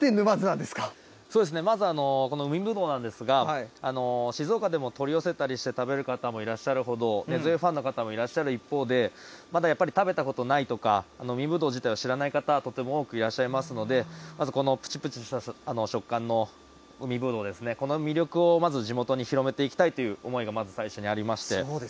そうですね、まずこの海ぶどうなんですが、静岡でも取り寄せたりして食べる方もいらっしゃるほど、根強いファンの方もいらっしゃるということで、まだやっぱり、食べたことないとか、海ぶどう自体を知らない方、とても多くいらっしゃいますので、まずこのぷちぷちした食感の海ぶどう、この魅力をまず、地元に広めていきたいという思いがまず最初にありまして。